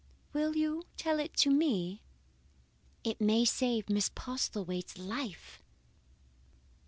Will you tell it to me? It may save Miss Postlethwaite's life."